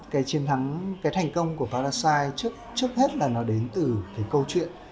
cái chiến thắng cái thành công của paraside trước hết là nó đến từ cái câu chuyện